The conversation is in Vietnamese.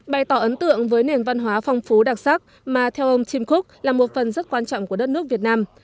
bày tỏ ấn tượng với nền văn hóa phong phú đặc sắc mà theo ông tim cook là một phần rất quan trọng của đất nước việt nam